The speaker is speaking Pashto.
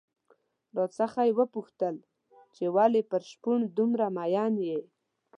راڅخه یې وپوښتل چې ولې پر شپون دومره مين يې؟